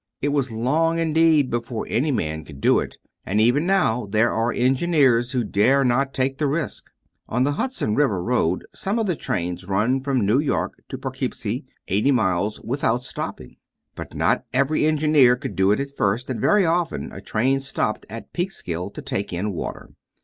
It was long, indeed, before any man could do it, and even now there are engineers who dare not take the risk. On the Hudson River road some of the trains run from New York to Poughkeepsie, eighty miles, without stopping, but not every engineer could do it at first, and very often a train stopped at Peekskill to take in water.